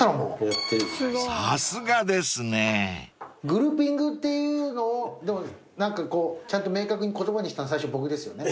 グルーピングっていうのをでも何かこうちゃんと明確に言葉にしたの最初僕ですよね？